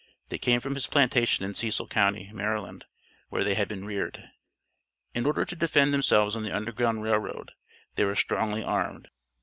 They came from his plantation in Cecil county, Maryland, where they had been reared. In order to defend themselves on the Underground Rail Road, they were strongly armed.